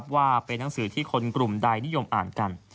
ว่าเป็นนังสือที่คนกลุ่มใดนิยมอ่านกัน